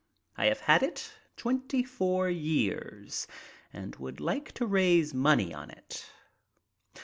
I have had it twenty four years, and would like to raise money on it."